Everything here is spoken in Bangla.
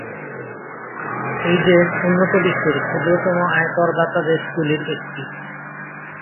এই দেশ উন্নত বিশ্বের ক্ষুদ্রতম আয়কর দাতা দেশগুলির একটি।